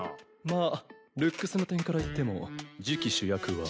まあルックスの点からいっても次期主役は。